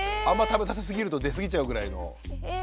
あんま食べさせすぎると出過ぎちゃうぐらいの。